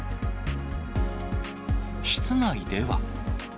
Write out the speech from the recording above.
室内では。